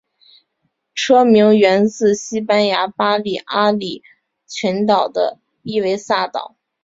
车名源自西班牙巴利阿里群岛的伊维萨岛。